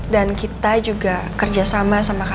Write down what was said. dan kita juga kerjasama sama kakaknya